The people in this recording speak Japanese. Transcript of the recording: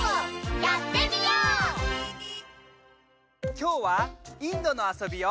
きょうはインドの遊びを。